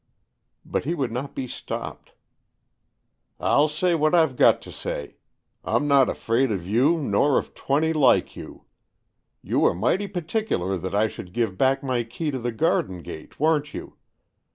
'' But he would not be stopped. " I'll say what I've got to say. I'm not afraid of you nor of twenty like you. You were mighty particular that I should give back my key to the garden gate, weren't you.